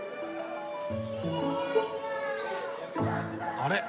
あれ？